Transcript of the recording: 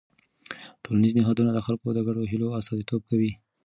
ټولنیز نهادونه د خلکو د ګډو هيلو استازیتوب کوي.